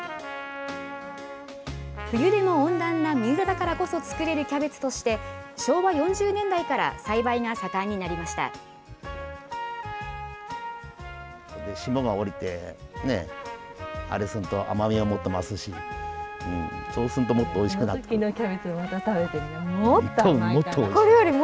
冬でも温暖な三浦だからこそ作れるキャベツとして、昭和４０年代から栽培が盛んになりました。